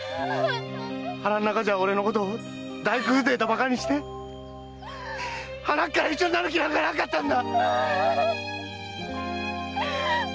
〔腹ん中じゃあ俺のことを大工風情とバカにしてハナっから一緒になる気なんかなかったんだ‼〕